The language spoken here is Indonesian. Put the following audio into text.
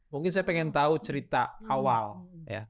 mungkin saya pengen tahu cerita awal ya